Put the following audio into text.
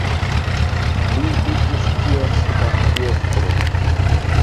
Li iĝis ties partiestro.